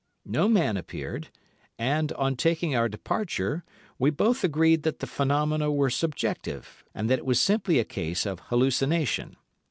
No man appeared, and, on taking our departure, we both agreed that the phenomena were subjective, and that it was simply a case of hallucination.